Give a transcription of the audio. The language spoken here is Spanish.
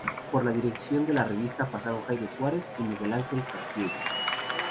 Por la dirección de la revista pasaron Jaime Suárez y Miguel Ángel Castiella.